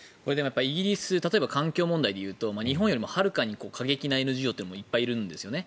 イギリス例えば環境問題で言うと日本よりもはるかに過激なＮＧＯいっぱいいるんですよね。